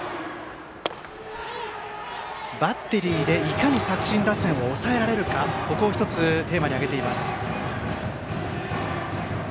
バッテリーでいかに作新打線を抑えられるかここを１つテーマに挙げています。